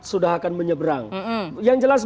sudah akan menyeberang yang jelas